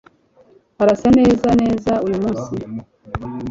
Urasa neza neza uyumunsi.